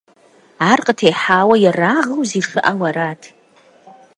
Ар къытехьауэ ерагъыу зишыӀэу арат.